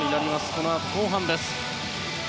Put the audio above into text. このあと、後半です。